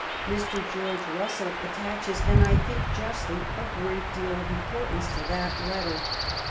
Mr. George Russell attaches, and I think justly, a great deal of impor tance to that letter.